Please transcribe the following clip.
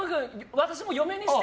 私も嫁にして！